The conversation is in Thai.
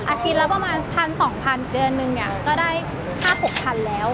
อาทิตย์แล้วประมาณ๑๐๐๐๒๐๐๐เดือนหนึ่งก็ได้๕๐๐๐๖๐๐๐แล้ว